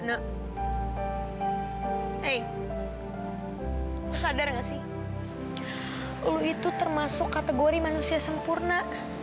hai sadar enggak sih lu itu termasuk kategori manusia sempurna